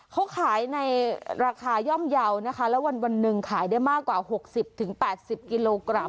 เขาขายในราคาย่อมเยาว์นะคะแล้ววันหนึ่งขายได้มากกว่า๖๐๘๐กิโลกรัม